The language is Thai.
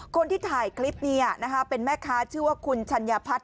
คนที่ถ่ายคลิปเป็นแม่ค้าชื่อว่าคุณชัญพัฒน